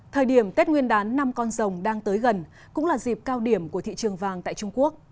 thời điểm tết nguyên đán năm con rồng đang tới gần cũng là dịp cao điểm của thị trường vàng tại trung quốc